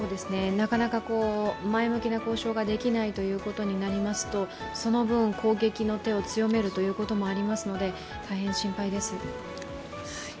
なかなか前向きな交渉ができないということになりますと、その分、攻撃の手を強めるということもありますので大変心配です。